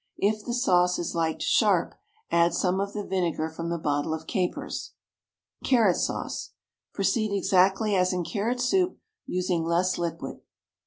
If the sauce is liked sharp, add some of the vinegar from the bottle of capers. CARROT SAUCE. Proceed exactly as in carrot soup, using less liquid.